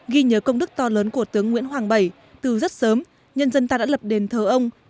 ghi nhớ công đức to lớn của tướng nguyễn hoàng bảy từ rất sớm nhân dân ta đã lập đền thờ ông